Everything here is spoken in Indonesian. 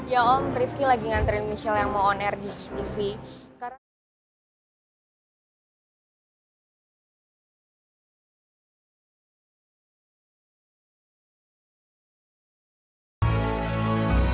ya om rifki lagi nganterin michelle yang mau on air di gtv